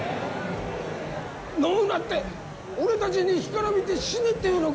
飲むなって俺たちに干からびて死ねっていうのか！？